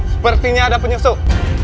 sepertinya ada penyusup